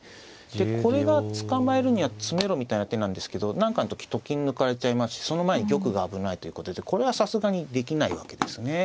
これが捕まえるには詰めろみたいな手なんですけど何かの時と金抜かれちゃいますしその前に玉が危ないということでこれはさすがにできないわけですね。